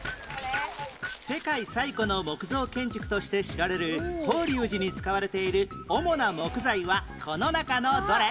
世界最古の木造建築として知られる法隆寺に使われている主な木材はこの中のどれ？